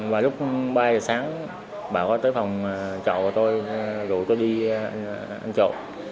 và lúc ba giờ sáng bảo tới phòng trọ của tôi rủ tôi đi anh trọ